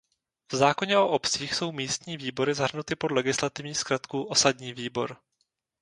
V zákoně o obcích jsou "místní výbory" zahrnuty pod legislativní zkratku "osadní výbor".